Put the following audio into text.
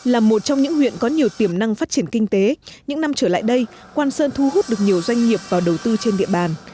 là một trong những huyện có nhiều tiềm năng phát triển kinh tế những năm trở lại đây quang sơn thu hút được nhiều doanh nghiệp vào đầu tư trên địa bàn